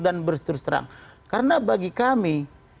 dan berterus terang karena bagi kami